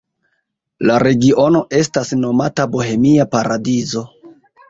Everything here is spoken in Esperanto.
La regiono estas nomata Bohemia Paradizo.